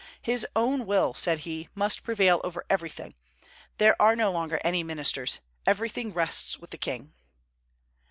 "His own will," said he, "must prevail over everything. There are no longer any ministers. Everything rests with the king."